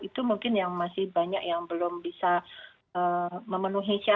itu mungkin yang masih banyak yang belum bisa memenuhi syarat